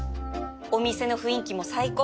お店の雰囲気も最高